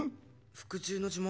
服従の呪文？